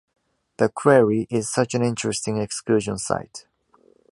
The quarry is such an interesting excursion site.